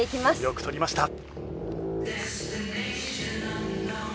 よく取りました。